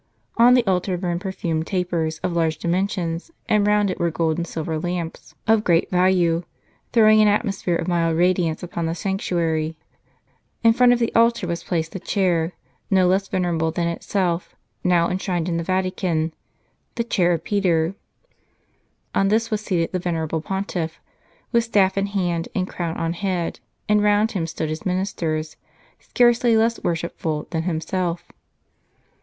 On the altar burned perfumed tapers of large dimensions, and round it were gold and silver lamps Cliaii' of St. Pete of great value, throwing an atmosphere of mild radiance upon the sanctuary. In front of the altar was placed the chair no less venerable than itself, now enshrined in the Vatican, the chair of Peter. On this was seated the venerable Pontiff, with staff in hand, and crown on head, and round him stood his ministers, scarcely less worshipful than himself.